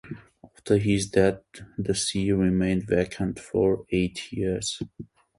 After his death, the see remained vacant for eight years.